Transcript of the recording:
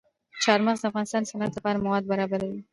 چار مغز د افغانستان د صنعت لپاره مواد برابروي.